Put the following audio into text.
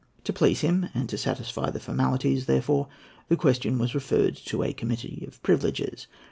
To please him, and to satisfy the formalities, therefore, the question was referred to a committee of privileges.